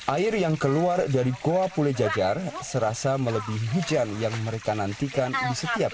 air yang keluar dari goa pulejajar serasa melebihi hujan yang mereka nantikan di setiap